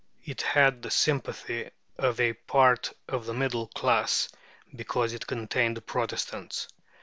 It had the sympathy of a part of the middle class, because it contained the Protestants.